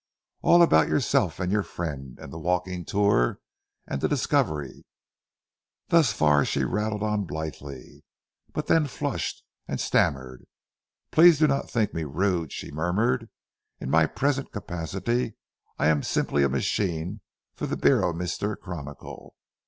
"All about yourself and your friend, and the walking tour, and the discovery." Thus far she rattled on blithely, but then flushed, and stammered. "Please do not think me rude," she murmured, "in my present capacity I am simply a machine for the Beormister Chronicle.